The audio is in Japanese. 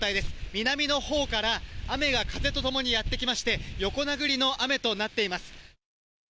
南のほうから雨が風とともにやって来まして、横殴りの雨となっています。